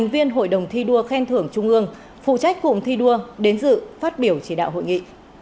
viên hội đồng thi đua khen thưởng trung ương phụ trách cùng thi đua đến dự phát biểu chỉ đạo hội nghị